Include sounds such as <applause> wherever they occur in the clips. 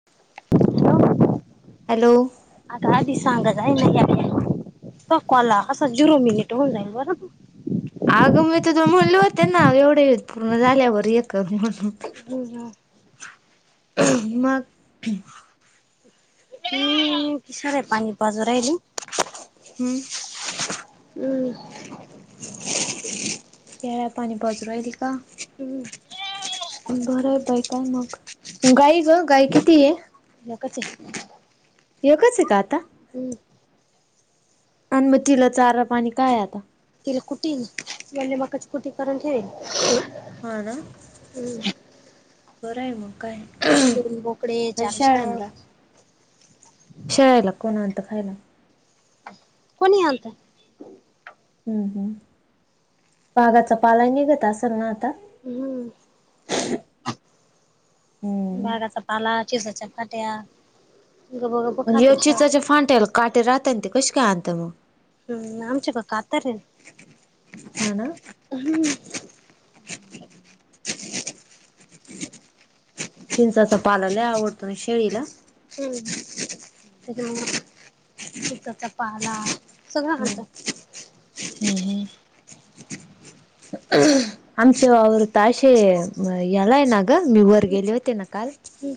<inaudible> Hello. आता आधी सांगा जा आहे ना कवाला असं झिरो मिनिट होऊन जाईल बरं. आग मी तुला म्हणले होते ना एवढे पूर्ण झाल्यावर हे कर म्हणून. हम् ह. मग. हम्म शेळ्या पाणी पाजू राहीली. हम्म. हम्म. <inaudible> प्यारा पाणी पाजू राहिल का. हम्म. बरं आहे बाई काय मग गाई ग गाई किती आहे. एकचय एकच आहे का आता. हम्म अं मग तिला चारा पाणी काय आहे आता. तिला कुटी म्हणजे मकाची कुटी करून ठेवेल. हा ना हम्म बरं आहे मग काय बोकडे आणि चार शेळ्या. शेळ्याला कोण आलं खायला. कोणीत हम्म हम् बागाचा पालायनीघता असेल ना आता. हम्म हम्म बागाचा पाला चिसाच्या पाट्या ग आणि चिचाचे फाटेला काटे राहता ते कशी काय आणता मग? हम्म आमच्या कडे कातार आहे. हा ना हम्म चिंचाचा पाला लय आवडतो ना शेळीला. हम्म त्या चिचाचा पाला सगळं हम्म आवडत हम्म हम्म <inaudible> आमचे वावर तर आशे यालाय ना ग मी वर हम्म गेले होते ना काल. हम्म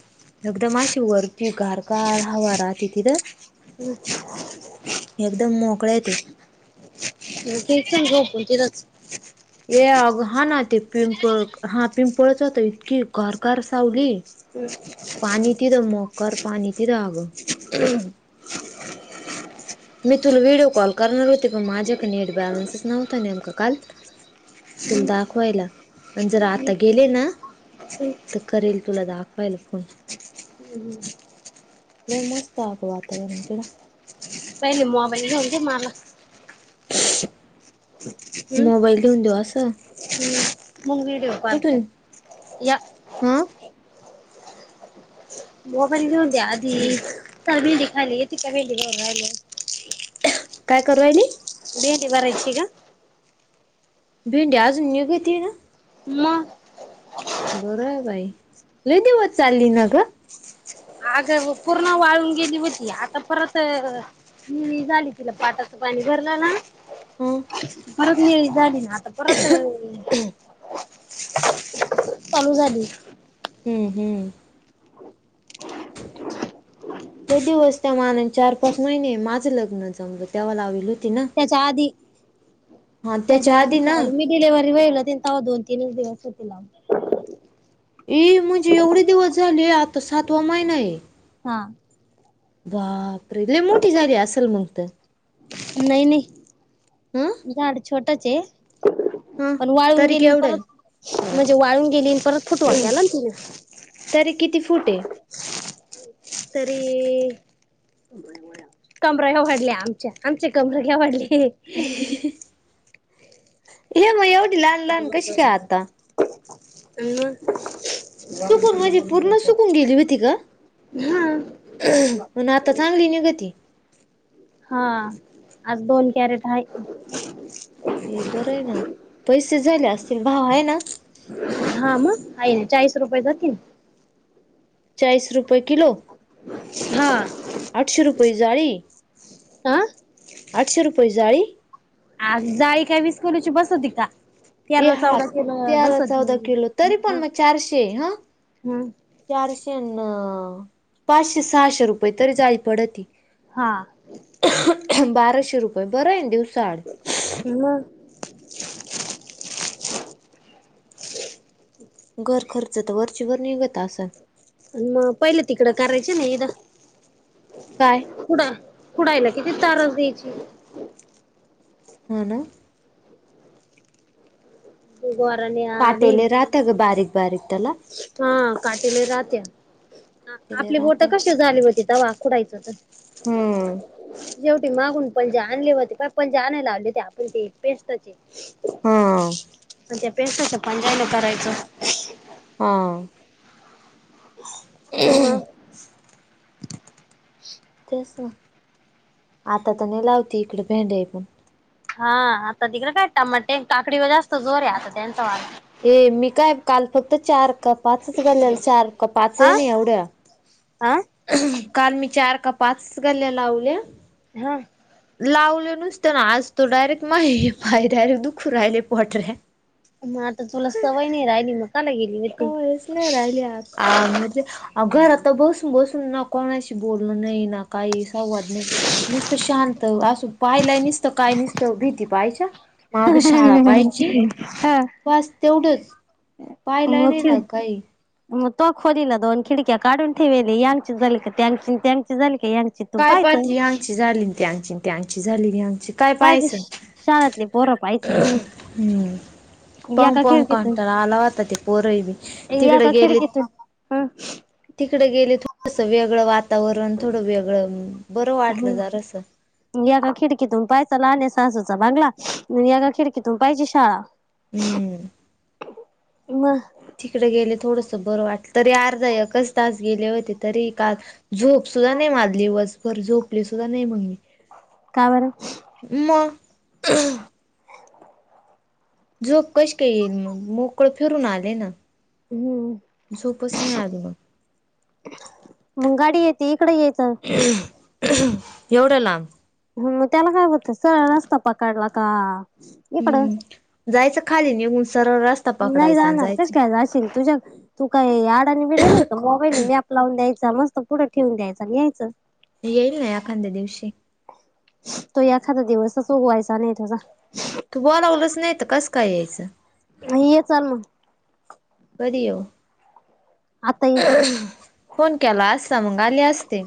एकदम अशी वरती गार गार हवा राहते तिथं. हम्म एकदम मोकळ आहे ते. ते संग झोपले तिथंच. ये अग हा ना ते पिंपळ हा पिंपळच तर इतकी गार गार सावली. <unintelligible> ते पाणी तिथं मकर पाणी तिरांगं मी तुला व्हिडिओ कॉल करणार होते पण माझ्याक नेट बॅलन्सस नव्हता नेमका काल तुला दाखवायला आणि जर आता गेले ना तर करील तुला दाखवायला फोन हम्म लय मस्त आहे आप वातावरण तेढा काय नाय मोबाईल घावले की माला मोबाईल घेऊन दीवू अस हम् मग व्हिडिओ कॉल कर कुठून या हा मोबाईल घेऊन द्या आधी तर मी खायला ती काय भेंडी रायला काय करु राहीली भेंडी भरायची ग भेंडी अजून निघती ना मग बर हाय बाई लई दिवस चाली ना ग अग पूर्ण वाळून गेली होती आता परत नि झाली तिला पाटाचं पाणी भरलं ना हम्म परत मी झाली ना आता परत <inaudible> चालू झाली हम्म हम्म हे दिवस त्या मान चार पाच महिने माझं लग्न जमलं त्याव लाआवे लु त्याच्या आधी हा त्याच्या त्या आधीच आधी ना लावल मी डिलेव्हरी व्हायला तवा दोन तीनच दिवस होतील लावून ए म्हणजे एवढे दिवस झाले आता सातवा महिना आहे हा बापरे! लय मोठी झाली असल मग त नाही नाही हम्म झाड छोटच आहे ह पण वाळून तरी गेली केवढं आहे परत म्हणजे वाळून गेली परत फुटवा केला ना तिला तरी किती फूट आहे तरी... कमरा या वाढले आमच्या आमचे कमर वर वाढले हे मग एवढी लहान लहान कशी काय आता? <inaudible> अ <unintelligible> ह सुकून म्हणजे जाऊ दे पूर्ण सुकून हा म्हण आता चांगली निघ ती हा आज दोन कॅरेट आहे हे बर आहे ना पैसे झाले असतील भाव आहे ना हा मग का नाही चाळीस रुपये जातील चाळीस रुपये किलो हा अठशे रुपये झाळी अ आठशे रुपये जाळी? आज जाळी काय विस कोलीची बस होती का? ए तेरा हा चौदा किलो तेरा बस चौदा होती किलो तरी पण मग चारशे हं मग चारशे अ पाचशे सहाशे रुपये तरी जाळी पडती हा बाराशे रुपये बरं आहे दिवसाड ह्हा हम्म घर खर्च तर वरचीवरर निघत असल. मग पहिले तिकडं करायचं ना एकदा काय कुडा कुडायला किती तारास द्यायची. हा ना गारण भि काटेले राहत्या ग बारीक बारीक त्याला हा काटले राहते. काटेले आपली बोट राहत्या कशी झाली होती त वाखुडायचं तर हम्म जेवटी मागून पणजे आणले होते प पणजे आणायला लावले होते आपण ते पेस्टचे हा त्या पेशच पणजायला करायचं हा आना तेच ना आता तर नाही लावते इकडे भेड्या पण हा आता तिकडे काटता मग ते काकडी व जास्त जोर आहे आता त्यांचा वाार. ए मी काय काल फक्त चार का पाचच गलेल चार का पाच आहे नाही एवढ्या आं काल मी चार का पाचच गल्या लावल्या. हा लावलं नुसतं ना आज तो डायरेक्ट माही बा डायरेक्ट दुख राहिले पोटऱ्या मग आता तुला सवय नाही राहिली मग काय गेली. होती वच नाही राहिले म्हे अ घर आता बसून बसून नक कोणाशी बोलणं नाही ना काही संवाद नाही नसत शांत असू पाहिला नसत. काय नसत भीती पाहायच्या माग शाळा पाहायची बस तेवढंच. पाहिलाय मख नाही ना काही मग तो खोलीला दोन खिडक्या काढून ठेवेली यांची झाली का त्यांची त्यांची झाली का यांची तू काय पाहायचं पातली हंगची झाली त्या हंगची त्या हंगची झाली हंगची काय पाहिजे पाहाचं शाळेतली पोरं पाहिजे हम् पंग एका पंग खिडकीतून काढताला आलावता ते पोरही बी तिकडे गेली. हा तिकडे गेले थोडस वेगळं वातावरण थोडं वेगळं बरं वाटलं ज असं. याका खिडकीतून पाहायचा लाहणे सासूचा बगला याका खिडकीतून पाहिजे शाळा हम्म म तिकडे गेले थोडस बरं वाटलं तरी अर्ध एकच तास गेले होते तरी काल झोप सुद्धा नाही माजली वसभर झोपली सुद्धा नाही मगली कावरर म झोप कशी काही येईल मग मोकळ फिरून आले ना हम्म झोपच नाही आल मुंगाडी येते इकडे येत. एवढं लांब मग त्याला काय बत सळ नसता पकडला का इकडं हम्म जायचं खाली निघून सरळ नाही पकडायचा जाणार कस जायचं. काय जाशील तुझ्या तू काही अडाणी बिड नाही का मोबाईल मॅप लावून द्यायचा मस्त पुढं ठेवून द्यायचा आणि यायचं. येईल ना एखाद्या दिवशी तो एखादा दिवसचगवायचा नाही तुझा तू बोला लागलच नाय त कसं काय यायचं. हं चाल मंग कधी यव आता ये. फोन केला असता मंग आले असते.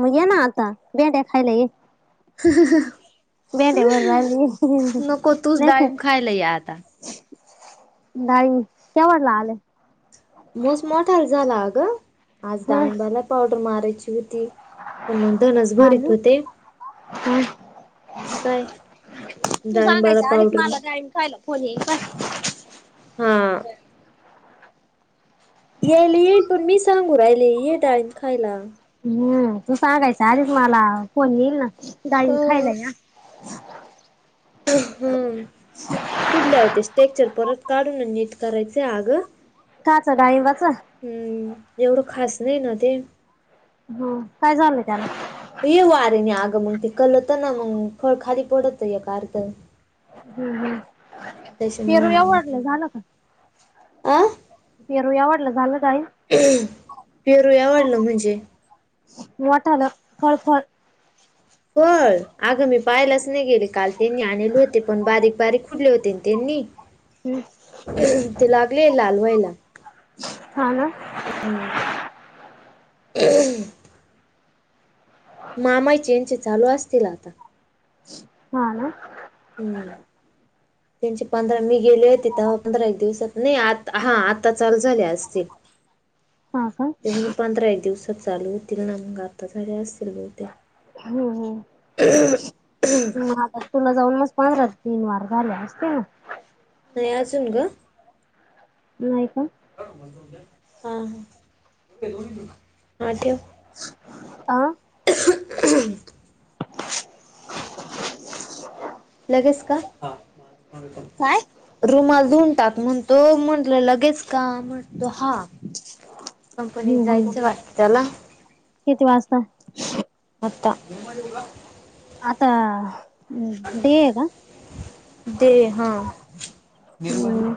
मग ये ना आता भेड्या खायला ये. <unintelligible> भेड्या भरू रायली नको <unintelligible> ये तू तूच नाही डाळींब खायला ये आता त्या म्हटले आले मोस मोठार झाला ग आज हा डाळिंबाला पावडर मारायची होती. त मंग तनस हा भरीत ना होते हा मग काय तू डाळिंबाला सांगायच आधीच पावडर मला डाळिंब खायला फोन येईल पाय हा. यायली पण मी सांगू राहिले ये डाळिंब खायला. मं तू सांगायचा आधीच मला फोन येईल ना डाळिंब खायला हो या <unintelligible> कुठल्यावर ते स्ट्रेक्चर परत काढून नीट करायचय अगं काआचा डाळिंबाचा हम्म एवढं खास नाय ना ते म काय झालंय त्याला येईल वाऱ्यांनी आगं मंग ते कलत ना मंग फळ खाली पडतय एक आर्ध हं हं त्याच्यामुळ पेरू एवाडलं झालं का? आ पेरू एवाढलं झालं डाळिंब पेरू एवाढलं म्हणजे मोठालं फळ फळ फळ अगं मी पाहालाच नय गेले काल त्यांनी आणिले होते पण बारीक बारीक कुठले होते नं त्यांनी हूं आता लागले लाल व्हायला. हा ना हम्म मामाईचे यांचे चालू असतील आता हा ना हूं त्यांचे पंधरा मी गेले होते तवा पंधरा एक दिवसात नही आत हा आता चालू झाले असतील. हा का <unintelligible> ते म्हणले पंधरा एक दिवसात चालू होतील ना मंग आता झाले असतील बहुतेक हम्म हम्म मंग आता तुला जाऊन मस् पहायला तीन वार झाले असतील ना नय अजून ग नाय का? हा हा -हां ठेव. आ <unintelligible> <unintelligible> <unintelligible> लगेच का -हा माझं काम <unintelligible> काय? रुमाल धुंवून टाक म्हणतोय म्हटलं लगेच का म्हणतो हा कंपनीत हम्म हम्म जायचंय वाटतं त्याला किती वाजता आत्ता आता हम् ब्या का दे हा हम्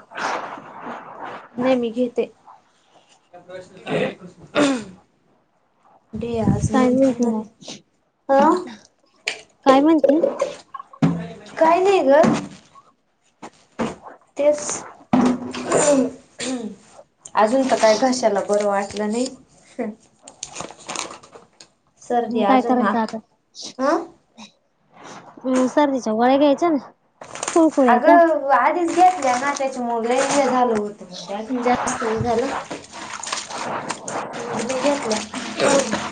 नाही मी घेते रस काय म्ह म्हणते घ मग हा काय म्हणते काही नाही ग तेच अजून प काय घशाला बरं वाटलं नाही सर्दी मग काय अजूनना करायचं आता हं हम्म शर्दीच्या वळ गयचे ना खुळखुळ्याच्या अगं आधीच घेतल्या ना त्याच्यामुळे हे झालं होतं त्याख जास्त हे झालं मग मी घेतल्या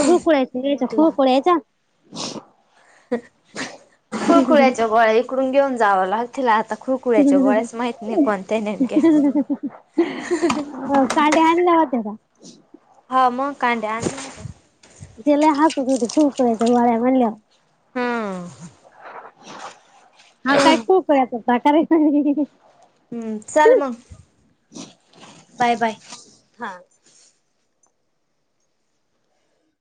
खुळकुडयच याच म्हटलं खुळकुड यायचा फुळखुळ्याच्या गोळ्या इकडून घेऊन जावं लाग तला आता खु ह काढ्या आणला होत त्या का ह मग का आण त्याला हसूत होती खूप करायच वाड्या म्हणलं हम्म हा काय खूकयातताकारे हम् सलमंग बाय बाय हा